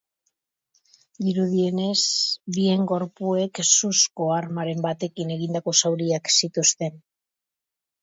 Dirudienez, bien gorpuek suzko armaren batekin egindako zauriak zituzten.